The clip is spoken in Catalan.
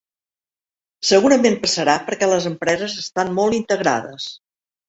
Segurament passarà perquè les empreses estan molt integrades.